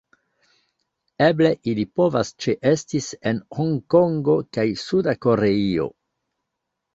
Eble ili povas ĉeesti en Hongkongo kaj Suda Koreio.